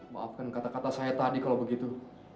maafkan kata kata saya tadi kalau begitu